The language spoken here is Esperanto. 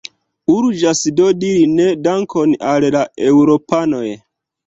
Urĝas do diri ne, dankon al la eŭropanoj.